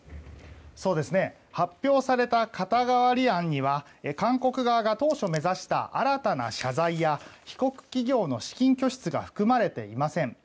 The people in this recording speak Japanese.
発表された肩代わり案には韓国側が当初目指した新たな謝罪や被告企業の資金拠出が含まれていません。